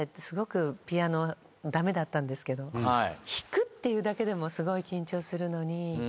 すごくピアノ駄目だったんですけど弾くっていうだけでもすごい緊張するのに。